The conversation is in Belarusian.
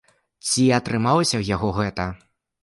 Ці атрымалася ў яго гэта?